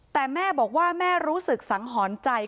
แต่แม่บอกว่าแม่รู้สึกสังหรณ์ใจ